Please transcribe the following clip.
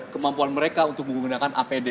kemampuan mereka untuk menggunakan apd